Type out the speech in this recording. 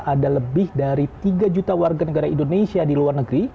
ada lebih dari tiga juta warga negara indonesia di luar negeri